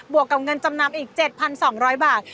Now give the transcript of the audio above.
วกกับเงินจำนำอีก๗๒๐๐บาท